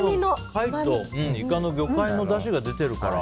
貝とイカの魚介のだしが出てるから。